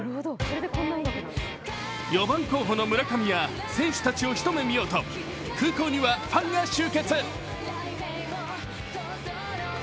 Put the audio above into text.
４番候補の村上や選手たちを一目見ようと空港にはファンが集結。